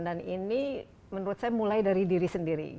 dan ini menurut saya mulai dari diri sendiri